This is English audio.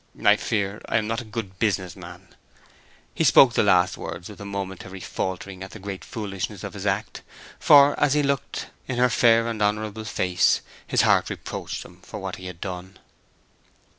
I fear I am not a good business man." He spoke the last words with a momentary faltering at the great foolishness of his act; for, as he looked in her fair and honorable face, his heart reproached him for what he had done.